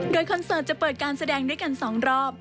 โดยคอนเสิร์ตจะเปิดการแสดงด้วยกัน๒รอบ